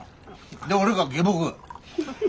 で俺が下僕。